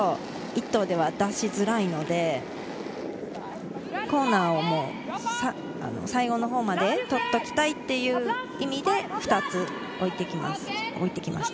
１投では出しづらいので、コーナーを最後のほうまでとっておきたいという意味で２つ置いていきます。